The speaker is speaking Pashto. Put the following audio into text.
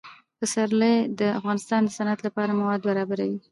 پسرلی د افغانستان د صنعت لپاره مواد برابروي.